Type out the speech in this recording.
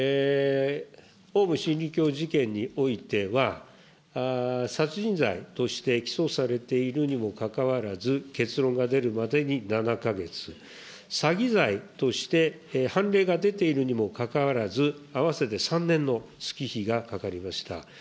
オウム真理教事件においては、殺人罪として起訴されているにもかかわらず、結論が出るまでに７か月、詐欺罪として判例が出ているにもかかわらず、合わせて３年の月日がかかりました。